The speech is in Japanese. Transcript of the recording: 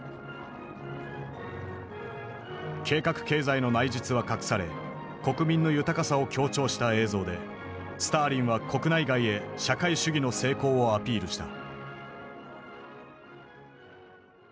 計画経済の内実は隠され国民の豊かさを強調した映像でスターリンは国内外へ社会主義の成功をアピールした。